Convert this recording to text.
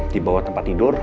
di bawah tempat tidur